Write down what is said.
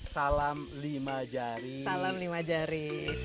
salam lima jari